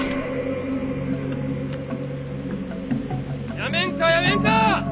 やめんかやめんか！